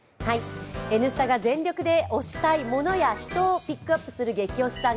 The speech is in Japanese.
「Ｎスタ」が全力で推したいモノや人をピックアップするゲキ推しさん。